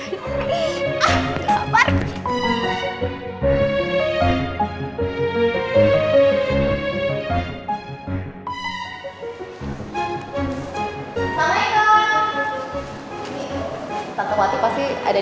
teman greatest petik panjang